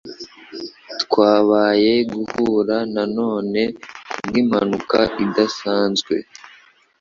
Twabaye guhura nanone kubwimpanuka idasanzwe